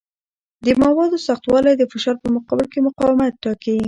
د موادو سختوالی د فشار په مقابل کې مقاومت ټاکي.